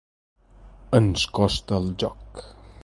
Ens costa el joc.